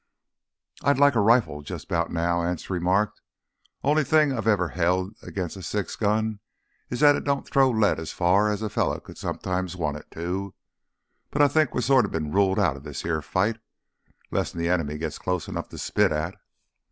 "I'd like a rifle jus' 'bout now," Anse remarked. "Only thing I've ever held 'gainst a six gun is that it don't throw lead as far as a fella could sometimes want it to. But I think we've sorta been ruled outta this here fight—'less th' enemy gits close 'nough to spit at."